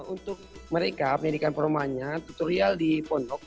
untuk mereka pendidikan formanya tutorial di pondok